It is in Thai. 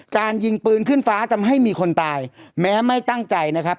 การยิงปืนขึ้นฟ้าทำให้มีคนตายแม้ไม่ตั้งใจนะครับ